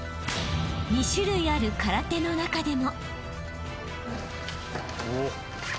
［２種類ある空手の中でも］